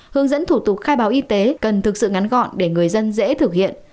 hướng dẫn thủ tục khai báo y tế cần thực sự ngắn gọn để người dân dễ thực hiện